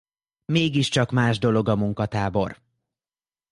Mégiscsak más dolog a munkatábor.